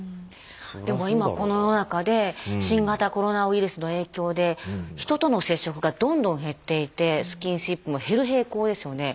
でも今この世の中で新型コロナウイルスの影響で人との接触がどんどん減っていてスキンシップも減る傾向ですよね。